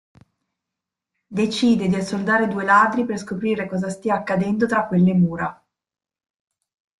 Decide di assoldare due ladri per scoprire cosa stia accadendo tra quelle mura.